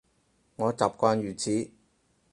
我習慣如此